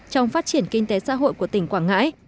trong phát triển kinh tế xã hội của tỉnh quảng ngãi